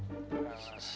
siapa yang berantem sih